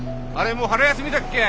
もう春休みだっけ？